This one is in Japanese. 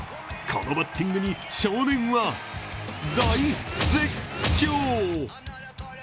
このバッティングに少年は大・絶・叫！